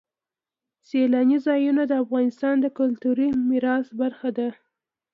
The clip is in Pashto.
سیلانی ځایونه د افغانستان د کلتوري میراث برخه ده.